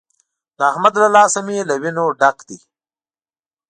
د احمد له لاسه مې له وينو ډک دی.